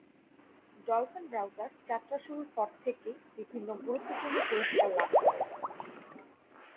Dolphin browser যাত্রা শুরুর পর থেকেই বিভিন্ন গুরুত্বপূর্ণ পুরস্কার লাভ করে।